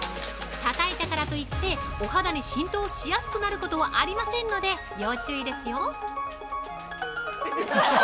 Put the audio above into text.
たたいたからといってお肌に浸透しやすくなることはありませんので、要注意ですよ！